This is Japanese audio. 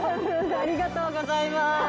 ありがとうございます。